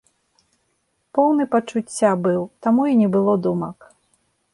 Поўны пачуцця быў, таму і не было думак.